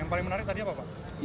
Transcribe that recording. yang paling menarik tadi apa pak